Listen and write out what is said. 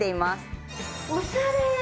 おしゃれ！